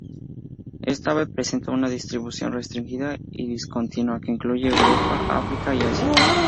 Esta ave presenta una distribución restringida y discontinua que incluye Europa, África y Asia.